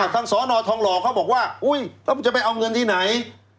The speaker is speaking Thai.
สอนอทองหล่อเขาบอกว่าอุ๊ยแล้วจะไปเอาเงินที่ไหน